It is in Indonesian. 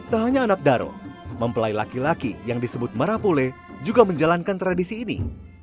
tak hanya anak daro mempelai laki laki yang disebut marapule juga menjalankan tradisi ini